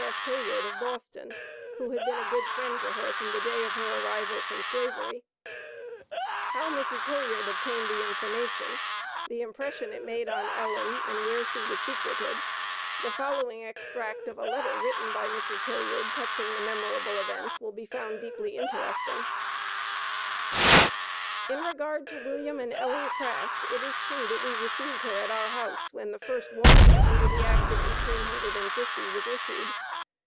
S. Hilliard, of Boston, who had been a good friend to her from the day of her arrival from slavery. How Mrs. Hilliard obtained the information, the impression it made on Ellen, and where she was secreted, the following extract of a letter written by Mrs. Hilliard, touching the memorable event, will be found deeply interesting: "In regard to William and Ellen Craft, it is true that we received her at our house when the first warrant under the act of eighteen hundred and fifty was issued.